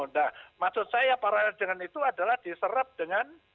nah maksud saya paralel dengan itu adalah diserap dengan